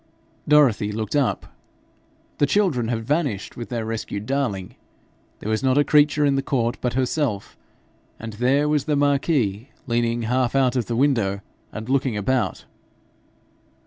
Dorothy looked up. The children had vanished with their rescued darling. There was not a creature in the court but herself, and there was the marquis, leaning half out of the window, and looking about.